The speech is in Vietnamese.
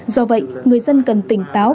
do vậy người dân cần tỉnh táo